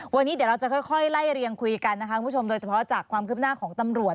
วันนี้เดี๋ยวเราจะค่อยไล่เรียงคุยกันนะคะคุณผู้ชมโดยเฉพาะจากความคืบหน้าของตำรวจ